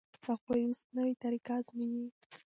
هغوی اوس نوې طریقه ازمويي.